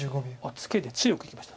ツケで強くいきました。